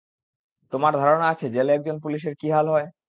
তোমার ধারণা আছে জেলে একজন পুলিশের কী হাল হয়?